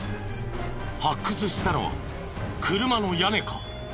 発掘したのは車の屋根か？